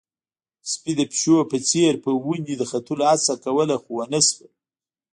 سپي د پيشو په څېر په ونې د ختلو هڅه کوله، خو ونه شول.